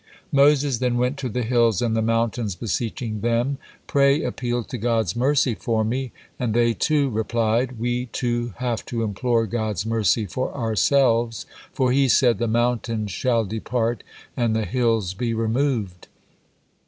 '" Moses then went to the Hills and the Mountains, beseeching them, "Pray appeal to God's mercy for me," and they, too, replied: "We too have to implore God's mercy for ourselves, for He said, 'The mountains shall depart, and the hills be removed.'"